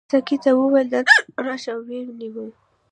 ما ساقي ته وویل دننه راشه او ویې نیوم.